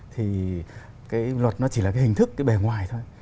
thì cái luật nó chỉ là cái hình thức cái bề ngoài thôi